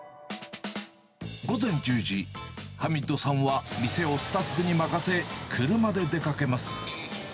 午前１０時、ハミッドさんは店をスタッフに任せ、車で出かけます。